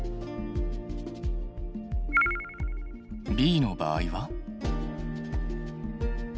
Ｂの場合は。